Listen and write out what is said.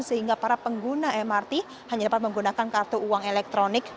sehingga para pengguna mrt hanya dapat menggunakan kartu uang elektronik